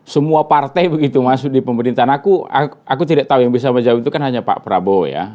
semua partai begitu masuk di pemerintahan aku aku tidak tahu yang bisa menjawab itu kan hanya pak prabowo ya